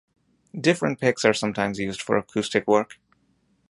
Different picks are sometimes used for acoustic work.